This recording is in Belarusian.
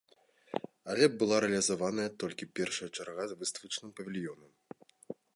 Але была рэалізаваная толькі першая чарга з выставачным павільёнам.